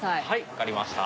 分かりました。